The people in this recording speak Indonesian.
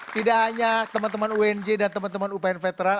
tidak hanya teman teman unj dan teman teman upn veteran